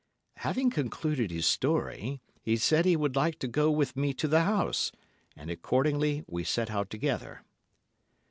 Having concluded his story, Mr. C.—— said he would like to go with me to the house, and accordingly we set out together.